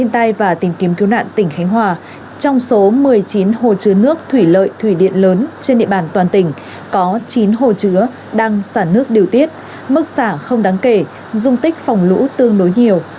tại trong số một mươi chín hồ chứa nước thủy lợi thủy điện lớn trên địa bàn toàn tỉnh có chín hồ chứa đang xả nước điều tiết mức xả không đáng kể dung tích phòng lũ tương đối nhiều